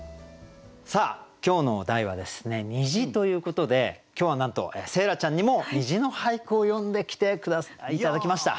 さあ今日の題はですね「虹」ということで今日はなんと星来ちゃんにも「虹」の俳句を詠んできて頂きました！